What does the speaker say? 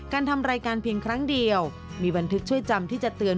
ทำรายการเพียงครั้งเดียวมีบันทึกช่วยจำที่จะเตือน